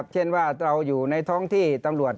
เช่นว่าเราอยู่ในท้องที่ตำรวจ